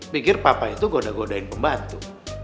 pikir papa itu godain godain pembantu